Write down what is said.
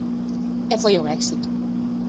E foi un éxito.